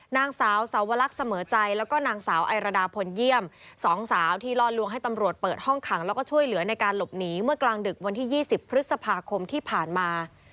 นางสาวสาวลักษณ์เสมอใจแล้วก็นางสาวไอรดาพลเยี่ยมสองสาวที่ล่อลวงให้ตำรวจเปิดห้องขังแล้วก็ช่วยเหลือในการหลบหนีเมื่อกลางดึกวันที่๒๐พฤษภาคมที่ผ่านมา